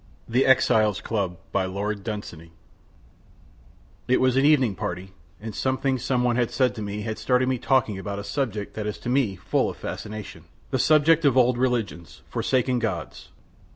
The Exiles Club It was an evening party; and something someone had said to me had started me talking about a subject that to me is full of fascination, the subject of old religions, forsaken gods.